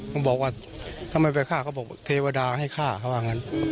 เขาบอกว่าทำไมไปฆ่าเขาบอกว่าเทวดาให้ฆ่าเขาว่าอย่างงั้น